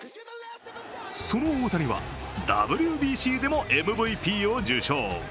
その大谷はＷＢＣでもＭＶＰを受賞。